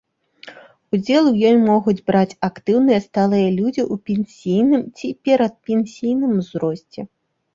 Удзел у ёй могуць браць актыўныя сталыя людзі ў пенсійным ці перадпенсійным узросце.